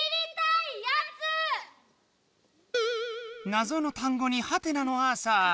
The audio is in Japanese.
なぞのたんごにハテナのアーサー。